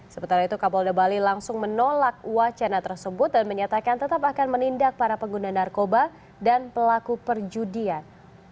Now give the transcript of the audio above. sementara itu kapolda bali langsung menolak wacana tersebut dan menyatakan tetap akan menindak para pengguna narkoba dan pelaku perjudian